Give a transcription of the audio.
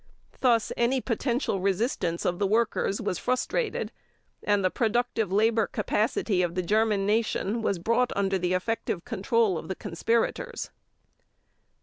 Thus any potential resistance of the workers was frustrated and the productive labor capacity of the German Nation was brought under the effective control of the conspirators.